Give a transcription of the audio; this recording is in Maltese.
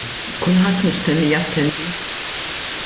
Kulħadd mistenni jattendi.